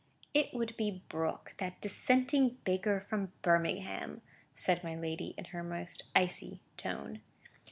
"It would be Brooke, that dissenting baker from Birmingham," said my lady in her most icy tone.